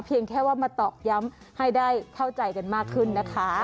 แค่ว่ามาตอกย้ำให้ได้เข้าใจกันมากขึ้นนะคะ